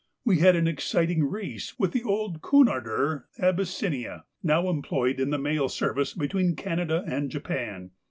We had an exciting race with the old Cunarder 'Abyssinia,' now employed in the mail service between Canada and Japan.